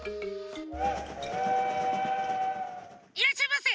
いらっしゃいませ！